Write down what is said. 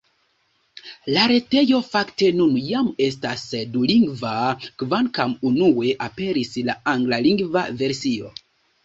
La retejo, fakte, nun jam estas dulingva, kvankam unue aperis la anglalingva versio.